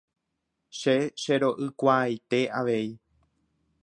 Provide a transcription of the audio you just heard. Che chero'ykuaaite avei.